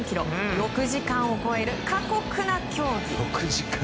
６時間を超える過酷な競技。